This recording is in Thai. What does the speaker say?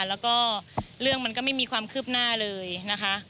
แล้วก็เรื่องมันก็ไม่มีความคืบหน้าเลยนะคะ